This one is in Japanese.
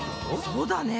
そうだね！